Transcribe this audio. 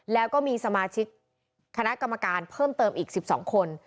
แล้วก็มีสมาชิกคณะกรรมการเพิ่มเติมอีก๑๒คน